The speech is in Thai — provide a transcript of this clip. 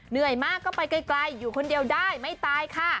เหนื่อยมากก็ไปไกลอยู่คนเดียวได้ไม่ตายค่ะ